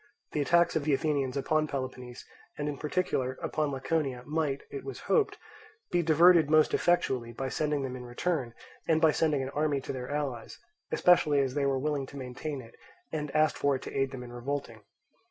The attacks of the Athenians upon Peloponnese, and in particular upon Laconia, might, it was hoped, be diverted most effectually by annoying them in return, and by sending an army to their allies, especially as they were willing to maintain it and asked for it to aid them in revolting.